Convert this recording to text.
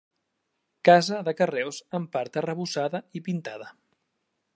Casa de carreus, en part arrebossada i pintada.